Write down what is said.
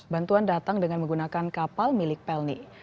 bantuan datang dengan menggunakan kapal milik pelni